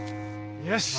よし。